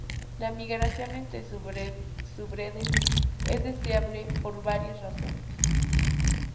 La migración entre subredes es deseable por varias razones.